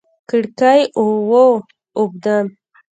کړکۍ و اوبدم